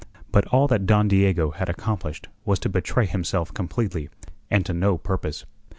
But all that Don Diego had accomplished was to betray himself completely, and to no purpose.